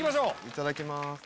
いただきます。